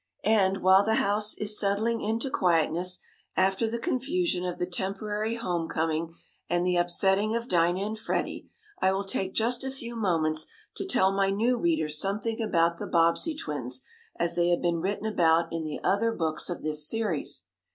And while the house is settling into quietness, after the confusion of the temporary home coming, and the upsetting of Dinah and Freddie, I will take just a few moments to tell my new readers something about the Bobbsey Twins as they have been written about in the other books of this series.